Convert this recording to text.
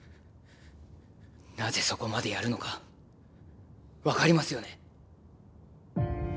なぜ、そこまでやるのか分かりますよね？